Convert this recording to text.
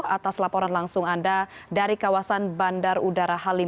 atas laporan langsung anda dari kawasan bandar udara halim